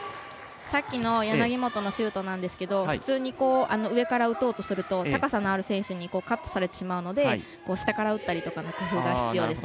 柳本のシュートですが普通に上から打とうとすると高さのある選手にカットされてしまうので下から打ったりとかの工夫が必要です。